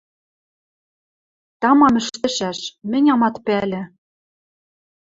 Тамам ӹштӹшӓш, мӹнь амат пӓлӹ.